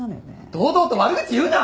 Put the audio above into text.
堂々と悪口言うな！